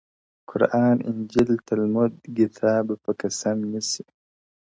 قرآن، انجیل، تلمود، گیتا به په قسم نیسې.